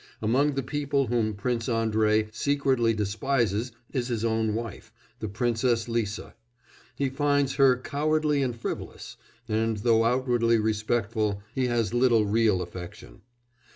Among the people whom Prince Andrei secretly despises is his own wife, the Princess Lisa: he finds her cowardly and frivolous, and, though outwardly respectful, he has little real affection.